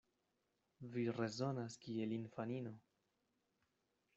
Vi rezonas kiel infanino.